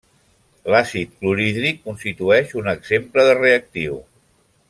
L'àcid clorhídric constitueix un exemple de reactiu.